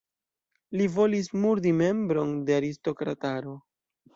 Li volis murdi membron de aristokrataro.